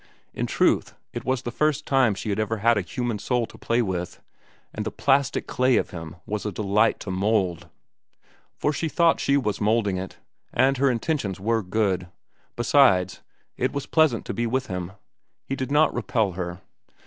In truth, it was the first time she had ever had a human soul to play with, and the plastic clay of him was a delight to mould; for she thought she was moulding it, and her intentions were good. Besides, it was pleasant to be with him. He did not repel her.